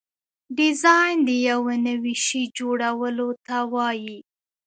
ډیزاین د یو نوي شي جوړولو ته وایي.